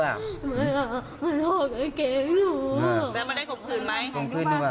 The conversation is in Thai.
มันบอกไว้น้อยมันบอกว่าถ้าอย่างนั้นมันจะยิงหนูที